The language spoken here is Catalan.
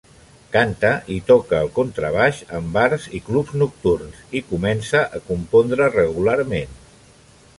Canta i toca el contrabaix en bars i clubs nocturns, i comença a compondre regularment.